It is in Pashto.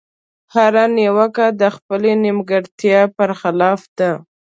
هره نيوکه د خپلې نيمګړتيا په خلاف ده.